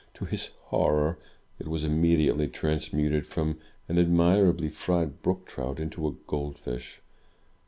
To his horror, it was immediately transmuted from an admirably fried brook trout into a gold fish.